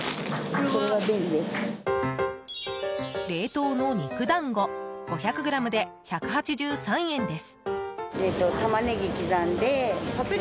冷凍の肉だんご５００ｇで１８３円です。